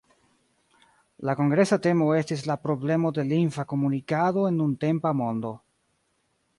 La kongresa temo estis "La problemo de lingva komunikado en nuntempa mondo".